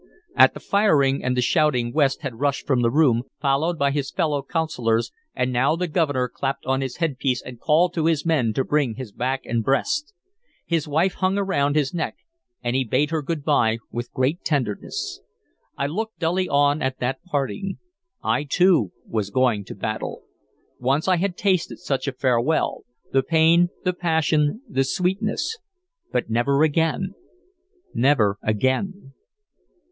At the firing and the shouting West had rushed from the room, followed by his fellow Councilors, and now the Governor clapped on his headpiece and called to his men to bring his back and breast. His wife hung around his neck, and he bade her good by with great tenderness. I looked dully on at that parting. I too was going to battle. Once I had tasted such a farewell, the pain, the passion, the sweetness, but never again, never again.